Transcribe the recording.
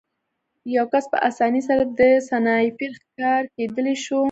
یو کس په اسانۍ سره د سنایپر ښکار کېدلی شو